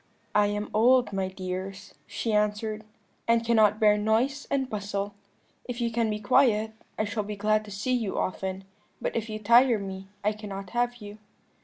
"'I am old, my dears,' she answered, 'and cannot bear noise and bustle; if you can be quiet, I shall be glad to see you often, but if you tire me I cannot have you.'